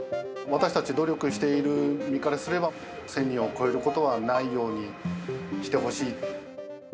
私たち努力している身からすれば、１０００人を超えることは内容にしてほしい。